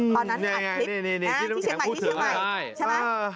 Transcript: ตอนนั้นอัดคลิปนี่นี่นี่นี่นี่ใช่ไหมใช่ไหม